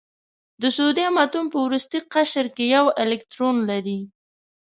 د سوډیم اتوم په وروستي قشر کې یو الکترون لري.